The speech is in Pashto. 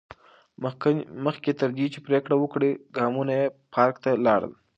مخکې تر دې چې پرېکړه وکړي، ګامونه یې پارک ته لاړل.